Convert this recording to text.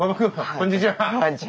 こんにちは。